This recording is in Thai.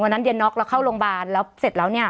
วันนั้นเดี๋ยวน๊อกเราเข้าโรงพยาบาลแล้วเสร็จแล้วเนี่ย